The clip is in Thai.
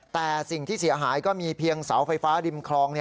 แต่สิ่งที่เสียหายก็มีเพียงเสาไฟฟ้าริมคลอง